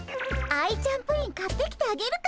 アイちゃんプリン買ってきてあげるからさ